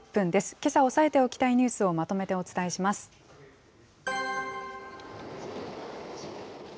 けさ押さえておきたいニュースをまとめてお伝えします。